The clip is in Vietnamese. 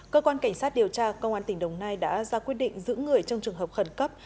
cơ quan cảnh sát điều tra công an tỉnh đồng nai đã ra quyết định giữ người trong trường hợp khẩn cấp